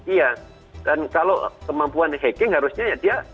iya dan kalau kemampuan hacking harusnya ya dia